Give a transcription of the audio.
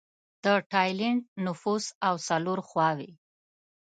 د ټایلنډ نفوس او څلور خواووې